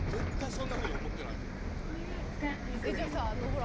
じゃあさあのほら。